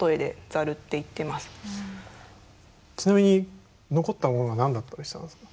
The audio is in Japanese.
ちなみに残ったものは何だったりしたんですか？